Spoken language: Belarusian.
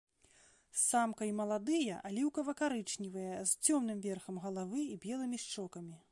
Самка і маладыя аліўкава-карычневыя з цёмным верхам галавы і белымі шчокамі.